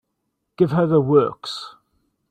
Give her the works.